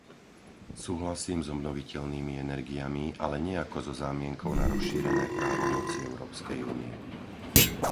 Súhlasím s obnoviteľnými energiami, ale nie ako so zámienkou na rozšírené právomoci Európskej únie.